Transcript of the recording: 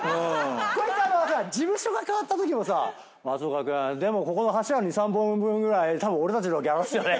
こいつ事務所が変わったときも「松岡君ここの柱２３本分ぐらい俺たちのギャラっすよね」